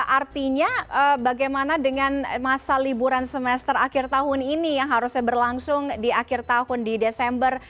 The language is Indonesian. artinya bagaimana dengan masa liburan semester akhir tahun ini yang harusnya berlangsung di akhir tahun di desember